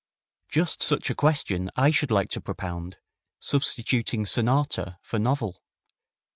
Just such a question I should like to propound, substituting sonata for novel.